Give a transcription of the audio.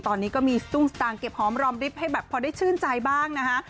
ตอนนี้ก็มีสตุ้งสตางค์เก็บหอมรอมริบให้แบบพอได้ชื่นใจบ้างนะคะ